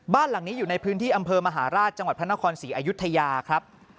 บ้านหลังนี้อยู่ในพื้นที่อำเภอมหาราชจังหวัดพระนครศรีอายุทยาครับ